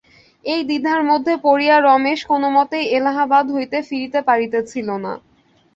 এই দ্বিধার মধ্যে পড়িয়া রমেশ কোনোমতেই এলাহাবাদ হইতে ফিরিতে পারিতেছিল না।